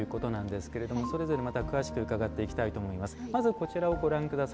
それぞれ、また詳しく伺っていきたいと思います。